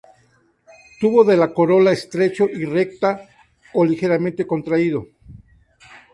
Tubo de la corola estrecho y recta o ligeramente contraído.